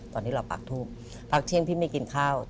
ตอนนี้เราปากทูบพักเที่ยงพี่ไม่กินข้าว